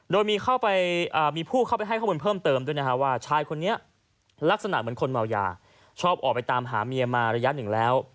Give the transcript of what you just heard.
โดยมีผู้เข้าไปให้ข้อมูลเพิ่มเติมด้วยนะฮะว่าชายคนนี้ลักษณะเหมือนคนเมายาชอบออกไปตามหาเมียมาระยะหนึ่งแล้ว